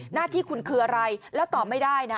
หน้าที่คุณคืออะไรแล้วตอบไม่ได้นะ